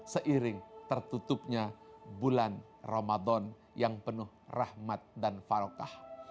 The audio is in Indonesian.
seiring tertutupnya bulan ramadan yang penuh rahmat dan farokah